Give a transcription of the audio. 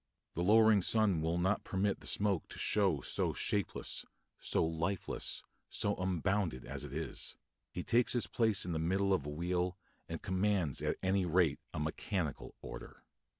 The lowering sun will not permit the smoke to show so shapeless, so lifeless, so unbounded as it is; he takes his place in the middle of a wheel, and commands at any rate a mechanical order.